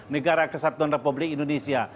negara kesatuan republik indonesia